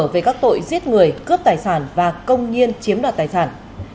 về các tội giết người cướp tài sản và công nhiên chiếm đoạt tài sản